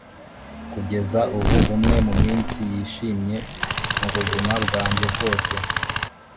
kugeza ubu, umwe mu minsi yishimye mubuzima bwanjye bwose